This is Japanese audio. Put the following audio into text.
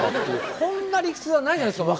こんな理屈はないじゃないですか。